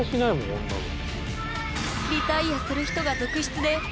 こんなの。